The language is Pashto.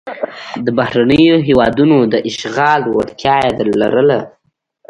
د بهرنیو هېوادونو د اشغال وړتیا یې لرله.